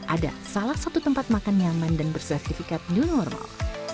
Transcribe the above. ada salah satu tempat makan nyaman dan bersertifikat new normal